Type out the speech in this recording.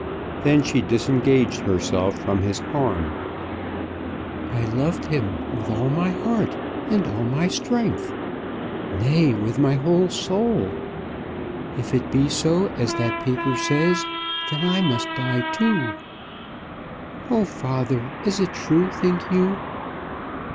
Then she disengaged herself from his arm. "I loved him, with all my heart, and all my strength; nay, with my whole soul. If it be so as that paper says, then I must die too. Oh, father, is it true, think you?"